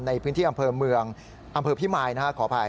ในพื้นที่อำเภอเมืองอำเภอพิมายนะฮะขออภัย